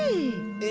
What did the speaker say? え！